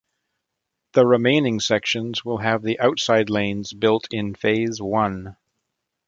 The remaining sections will have the outside lanes built in Phase One.